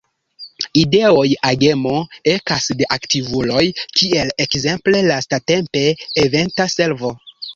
Ideoj, agemo ekas de aktivuloj kiel ekzemple lastatempe Eventa Servo.